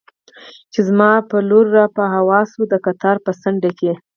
چې زما پر لور را په هوا شو، د قطار په څنډه کې.